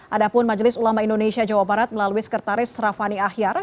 ada pun majelis ulama indonesia jawa barat melalui sekretaris raffani ahyara